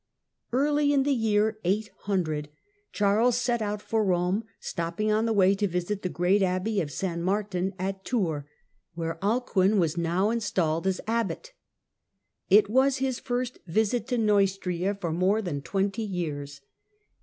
Early in the year 800 Charles set out for Eome, stop Charles' ping on the way to visit the great Abbey of St. Martin at j^me, 800 Tours, where Alcuin was now installed as abbot. It was his first visit to Neustria for more than twenty years.